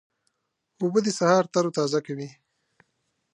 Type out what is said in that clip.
اوبه د سهار تروتازه کوي.